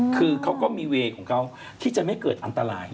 คือเขาก็มีเวย์ของเขาที่จะไม่เกิดอันตราย